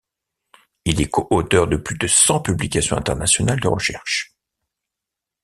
Il est co-auteur de plus de cent publications internationales de recherche.